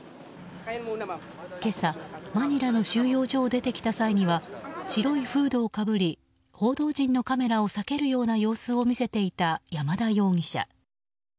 今朝、マニラの収容所を出てきた際には白いフードをかぶり報道陣のカメラを避けるような様子を見せていた山田容疑者。